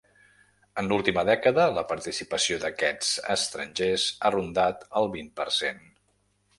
En l’última dècada, la participació d’aquests estrangers ha rondat el vint per cent.